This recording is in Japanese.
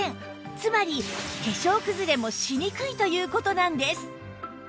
つまり化粧くずれもしにくいという事なんです